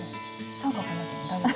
三角になっても大丈夫？